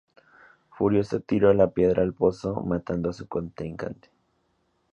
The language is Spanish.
Furioso, tiró la piedra al pozo, matando a su contrincante.